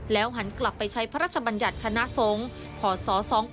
แล้วหันกลับไปใช้พระราชบัญญัติคณะทรงพศ๒๔๘๔